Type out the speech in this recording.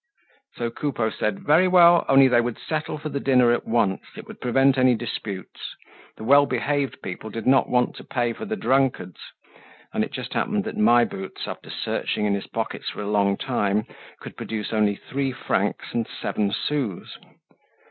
So Coupeau said very well, only they would settle for the dinner at once. It would prevent any disputes. The well behaved people did not want to pay for the drunkards; and it just happened that My Boots, after searching in his pockets for a long time, could only produce three francs and seven sous.